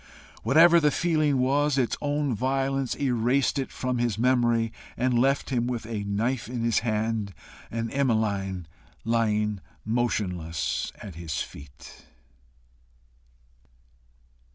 Whatever the feeling was, its own violence erased it from his memory, and left him with a knife in his hand, and Emmeline lying motionless at his feet.